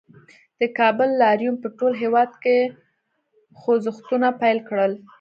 د کابل لاریون په ټول هېواد کې خوځښتونه پیل کړل